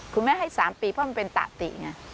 คุณแม่ให้๓ปีเพราะมันเป็นตะติไง